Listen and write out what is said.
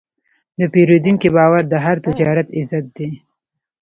د پیرودونکي باور د هر تجارت عزت دی.